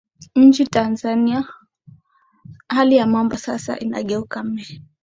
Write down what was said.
nchini tanzania hali ya mambo sasa inaigeukia me